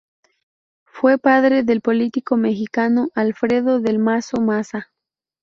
Fue padre del político mexicano Alfredo del Mazo Maza.